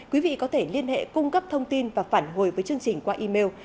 quý vị có thể liên hệ cung cấp thông tin và phản hồi với chương trình qua email